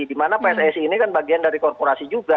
dimana pssi ini kan bagian dari korporasi juga